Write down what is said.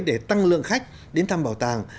để tăng lượng khách đến thăm bảo tàng